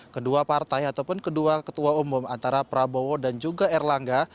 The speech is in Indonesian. kedua partai ataupun kedua ketua umum antara prabowo dan juga erlangga